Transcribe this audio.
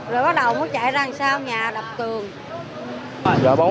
rồi bắt đầu nó chạy ra làm sao nhà đập tường